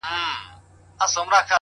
o چي د مخ لمر يې تياره سي نيمه خوا سي ـ